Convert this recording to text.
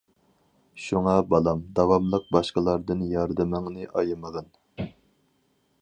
شۇڭا بالام، داۋاملىق باشقىلاردىن ياردىمىڭنى ئايىمىغىن.